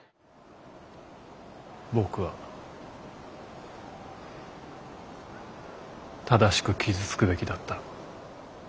僕は正しく傷つくべきだった。